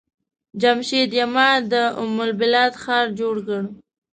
جمشيد يما د ام البلاد ښار جوړ کړ.